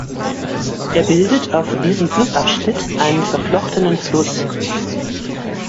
Er bildet auf diesem Flussabschnitt einen verflochtenen Fluss.